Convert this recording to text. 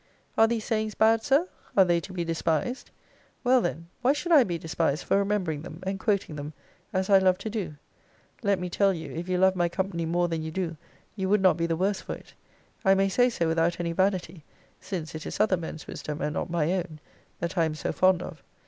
Are these sayings bad, Sir? are they to be despised? Well, then, why should I be despised for remembering them, and quoting them, as I love to do? Let me tell you, if you loved my company more than you do, you would not be the worse for it. I may say so without any vanity; since it is other men's wisdom, and not my own, that I am so fond of.